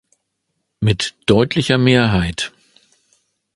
Mit deutlicher Mehrheit!